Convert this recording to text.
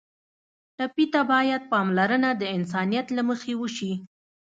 ټپي ته باید پاملرنه د انسانیت له مخې وشي.